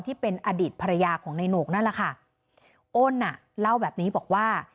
ที่เป็นอดีตภรรยาของในโหนกนั่นแหละค่ะอ้นอ่ะเล่าแบบนี้บอกว่า